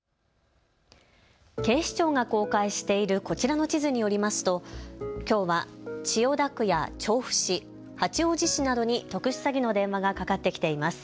警視庁が公開しているこちらの地図によりますときょうは千代田区や調布市、八王子市などに特殊詐欺の電話がかかってきています。